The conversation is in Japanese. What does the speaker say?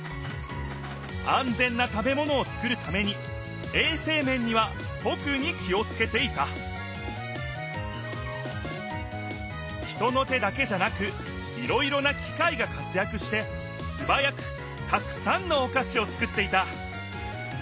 あんぜんな食べものをつくるためにえいせい面には特に気をつけていた人の手だけじゃなくいろいろな機械が活やくしてすばやくたくさんのおかしをつくっていた。